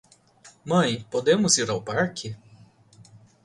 Mãe podemos ir ao parque?